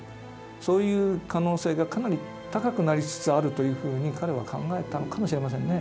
そういう可能性がかなり高くなりつつあるというふうに彼は考えたのかもしれませんね。